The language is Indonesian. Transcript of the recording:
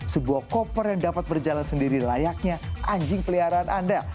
sebuah koper yang dapat berjalan sendiri layaknya anjing peliharaan anda